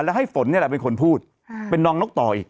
แล้วให้ฝนนี่แหละเป็นคนพูดเป็นน้องนกต่ออีก